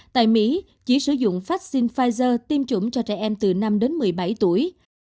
tại mỹ chỉ sử dụng vaccine pfizer tiêm chủng cho trẻ em từ năm đến một mươi bảy tuổi